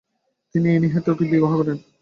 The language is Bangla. তিনি অ্যানি হ্যাথাওয়েকে বিবাহ করেন।